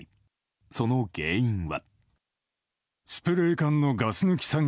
その原因は。